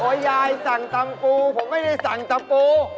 ยายสั่งตำปูผมไม่ได้สั่งตำปู